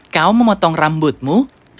kau memotong rambutmu